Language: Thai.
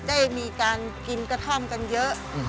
ได้มีการกินกระท่อมกันเยอะ